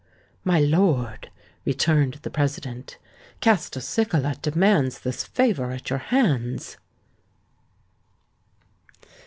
"My lord," returned the President, "Castelcicala demands this favour at your hands."